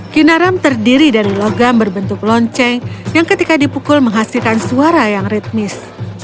kinaram terdiri dari logam berbentuk lonceng yang ketika dipukul menghasilkan suara yang ritmis